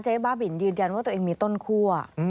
บ้าบินยืนยันว่าตัวเองมีต้นคั่ว